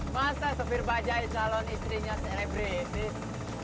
masa sopir bajai calon istrinya selebritis